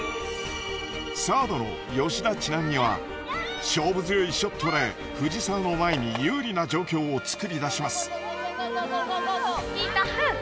サードの吉田知那美は勝負強いショットで藤澤の前に有利な状況を作り出します。